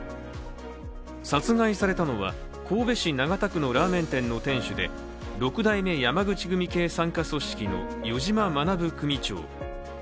殺害されたのは神戸市長田区のラーメン店の店主で六代目山口組系傘下組織の余嶋学組長。